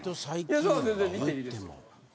それは全然見ていいですよ。